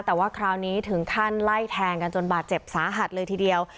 แต่ว่าคราวนี้ถึงขั้นไล่แทงกันจนบาดเจ็บสาหัสเลยทีเดียว